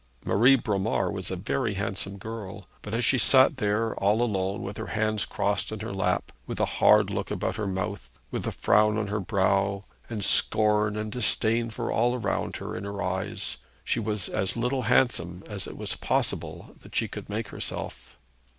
Marie Bromar was a very handsome girl, but as she sat there, all alone, with her hands crossed on her lap, with a hard look about her mouth, with a frown on her brow, and scorn and disdain for all around her in her eyes, she was as little handsome as it was possible that she should make herself.